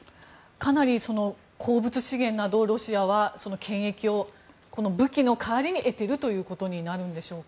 かなり鉱物資源などをロシアは権益を武器の代わりに得ていることになるんでしょうか？